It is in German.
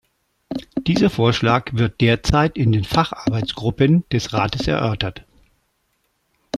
Dieser Vorschlag wird derzeit in den Facharbeitsgruppen des Rates erörtert.